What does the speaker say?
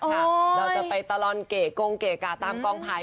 เราจะไปตลอดเกะกงเกะกะตามกองไทย